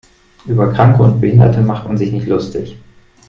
Über Kranke und Behinderte macht man sich nicht lustig.